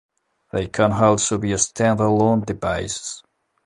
They can also be stand-alone devices.